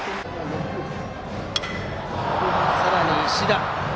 さらに石田。